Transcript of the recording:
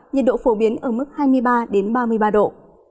nhiệt độ phổ biến ở mức hai mươi ba ba mươi ba độ